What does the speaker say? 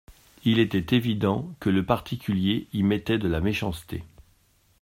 Il était évident que le particulier y mettait de la méchanceté…